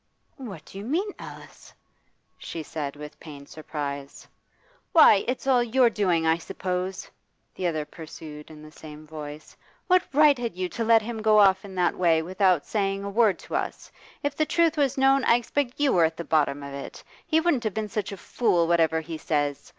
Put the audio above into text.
'What do you mean, Alice?' she said with pained surprise. 'Why, it's all your doing, I suppose,' the other pursued, in the same voice. 'What right had you to let him go off in that way without saying a word to us? If the truth was known, I expect you were at the bottom of it; he wouldn't have been such a fool, whatever he says.